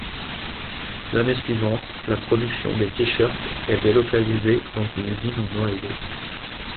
L'année suivante la production des t-shirt est délocalisée dans une usine en Ohio.